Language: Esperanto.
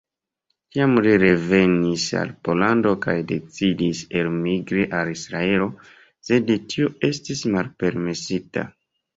Tiam li revenis al Pollando kaj decidis elmigri al Israelo, sed tio estis malpermesita.